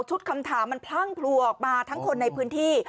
คำถามมันพลั่งพลัวออกมาทั้งคนในพื้นที่